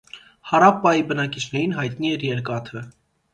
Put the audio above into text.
Հարապպայի բնակիչներին հայտնի էր երկաթը։